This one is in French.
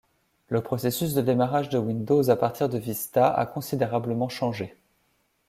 Le processus de démarrage de Windows à partir de Vista a considérablement changé.